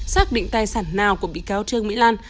xác định tài sản nào của bị cáo trương mỹ lan